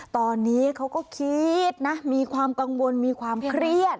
ตอนนี้เขาก็คิดนะมีความกังวลมีความเครียด